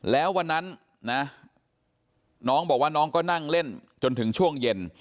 แล้ววันนั้นนะน้องบอกว่าน้องก็นั่งเล่นจนถึงช่วงเย็น